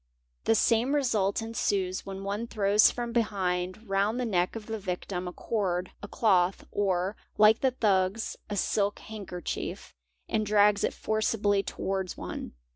The same result ensues when one throws from behind round the neck of the victim a | cord, a cloth, or, like the thugs, a silk handkerchief, and drags it forcibly } towards one.